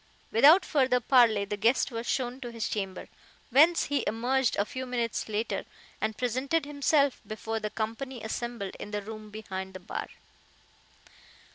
Without further parley the guest was shown to his chamber, whence he emerged a few minutes later, and presented himself before the company assembled in the room behind the bar.